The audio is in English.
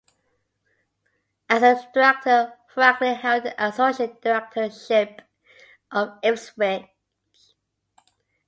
As a director, Franklin held an associate directorship at Ipswich.